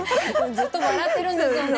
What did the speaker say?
ずっと笑ってるんですよね